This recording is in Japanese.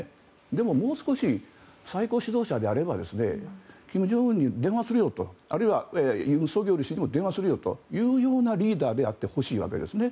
でももう少し最高指導者であれば金正恩に電話するよとあるいは尹錫悦に電話するよと言うようなリーダーであってほしいわけですね。